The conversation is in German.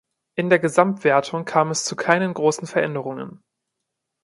In der Gesamtwertung kam es zu keinen großen Veränderungen.